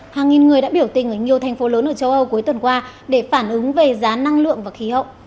hàng nghìn người đã biểu tình ở nhiều thành phố lớn ở châu âu cuối tuần qua để phản ứng về giá năng lượng và khí hậu